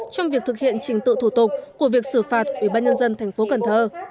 trong việc thực hiện trình tự thủ tục của việc xử phạt ủy ban nhân dân thành phố cần thơ